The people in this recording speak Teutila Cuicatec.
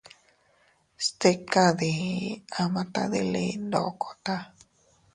Stika diii ama tadili ndokota.